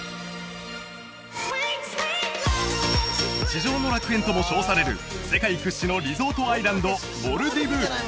地上の楽園とも称される世界屈指のリゾートアイランドモルディブ